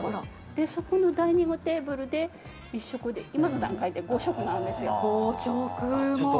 そこのダイニングテーブルで１色で今の段階で５色なんですよ。